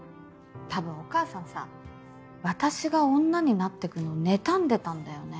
たぶんお母さんさ私が女になってくのをねたんでたんだよね。